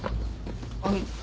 あの。